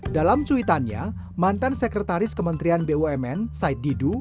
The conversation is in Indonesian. dalam cuitannya mantan sekretaris kementerian bumn said didu